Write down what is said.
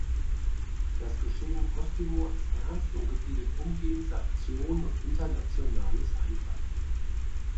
Das Geschehen in Osttimor ist ernst und gebietet umgehend Sanktionen und internationales Eingreifen.